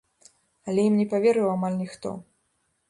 Але ім не паверыў амаль ніхто.